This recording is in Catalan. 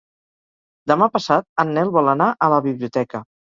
Demà passat en Nel vol anar a la biblioteca.